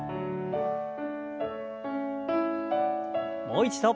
もう一度。